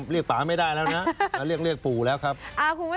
เรียกป่าไม่ได้แล้วใช่มั้ย